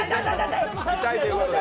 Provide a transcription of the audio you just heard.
痛いということで。